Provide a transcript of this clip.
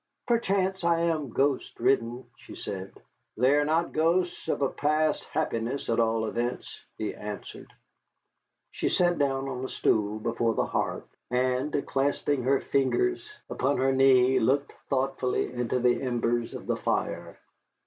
"Perchance I am ghost ridden," she said. "They are not ghosts of a past happiness, at all events," he answered. She sat down on a stool before the hearth, and clasping her fingers upon her knee looked thoughtfully into the embers of the fire.